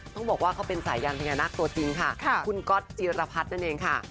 ต้องบอกว่าเขาเป็นสายยานพญานาคตัวจริงค่ะคุณก๊อตจิรพัฒน์นั่นเองค่ะ